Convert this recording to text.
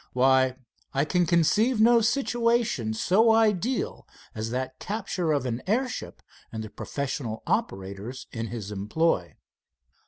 Why, I can conceive no situation so ideal as that capture of an airship, and professional operators in his employ."